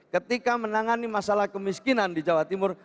ketika menangani masalah kemiskinan di jawa timur